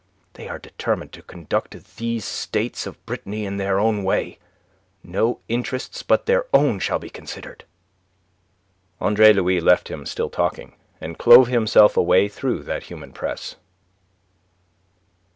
They are determined to conduct these States of Brittany in their own way. No interests but their own shall be considered." Andre Louis left him still talking, and clove himself a way through that human press.